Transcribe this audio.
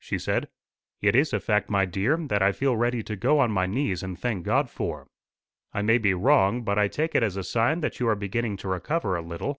she said. "It is a fact, my dear, that I feel ready to go on my knees and thank God for. I may be wrong, but I take it as a sign that you are beginning to recover a little.